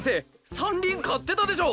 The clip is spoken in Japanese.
山林買ってたでしょ